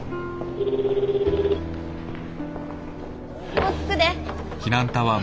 ☎もう着くで。